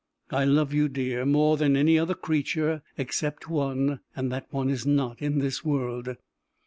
I love you, dear, more than any other creature except one, and that one is not in this world.